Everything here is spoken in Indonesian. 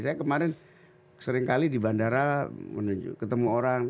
saya kemarin sering kali di bandara ketemu orang